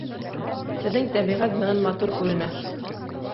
Беҙҙең тәбиғәт бынан матур күренә.